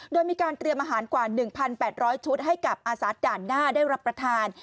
โดยมีการเตรียมอาหารกว่า๑๘๐๐ชุดให้กับอาสาด่านหน้าได้รับประทาน